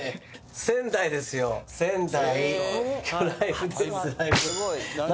仙台ですよ仙台。